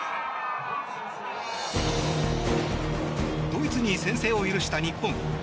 ドイツに先制を許した日本。